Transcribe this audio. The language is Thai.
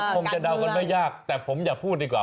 คงจะเดากันไม่ยากแต่ผมอย่าพูดดีกว่า